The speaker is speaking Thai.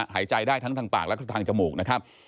หายใจได้ทั้งทางปากแล้วก็ทางจมูกนะครับ